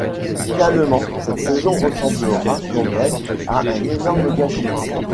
Finalement, cette saison ressemblera quand même à un énorme gâchis.